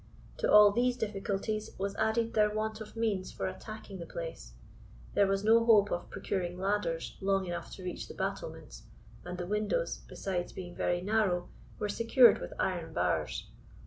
To all these difficulties was added their want of means for attacking the place. There was no hope of procuring ladders long enough to reach the battlements, and the windows, besides being very narrow, were secured with iron bars.